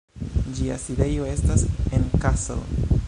Ĝia sidejo estas en Kassel.